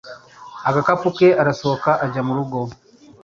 agakapu ke arasohoka ajya murugo